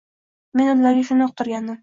Men ularga shuni uqtirgandim